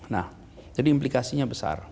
nah jadi implikasinya besar